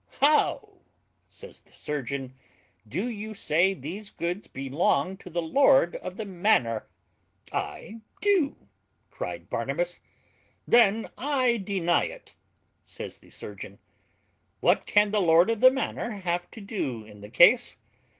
"How," says the surgeon, "do you say these goods belong to the lord of the manor?" "I do," cried Barnabas. "Then I deny it," says the surgeon: "what can the lord of the manor have to do in the case?